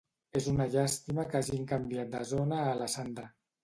És una llàstima que hagin canviat de zona a la Sandra